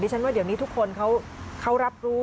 ฉันว่าเดี๋ยวนี้ทุกคนเขารับรู้